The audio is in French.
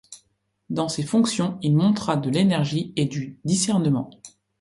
Dans ces fonctions, il montra de l’énergie et du discernement.